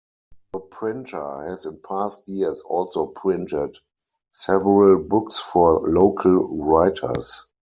The printer has in past years also printed several books for local writers.